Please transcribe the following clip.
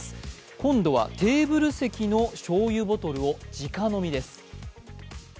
今度はテーブル席のしょうゆボトルをじか飲みです。